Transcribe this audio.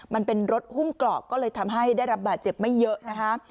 มันเป็นรถหุ้มเกราะก็เลยทำให้ได้รับบาดเจ็บไม่เยอะนะคะ